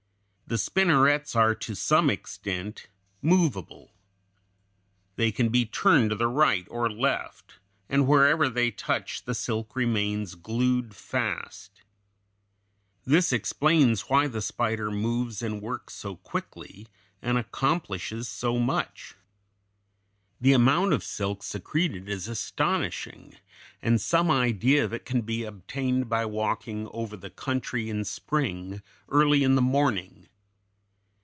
The spinnerets are to some extent movable. They can be turned to the right or left, and wherever they touch, the silk remains glued fast. This explains why the spider moves and works so quickly and accomplishes so much. The amount of silk secreted is astonishing, and some idea of it can be obtained by walking over the country in spring, early in the morning.